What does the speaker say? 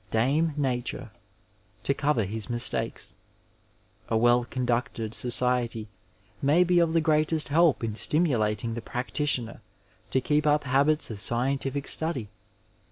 Dame Nature, to cover his mistakes. A well conducted society may be of the greatest help in stimulating the practitioner to keep up habits of scientific study.